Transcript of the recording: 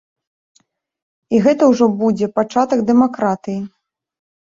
І гэта ўжо будзе пачатак дэмакратыі.